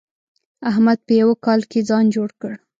احمد په يوه کال کې ځان جوړ کړ.